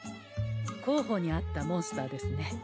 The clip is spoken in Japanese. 候補にあったモンスターですね。